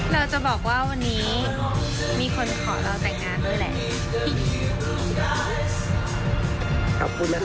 เราจะบอกว่าวันนี้มีคนขอเราแต่งงานด้วยแหละ